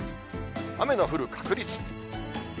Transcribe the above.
雨の降る確率。